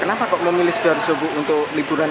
kenapa kok memilih sidoarjo untuk liburan ini